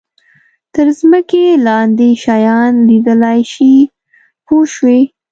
تر ځمکې لاندې شیان لیدلای شي پوه شوې!.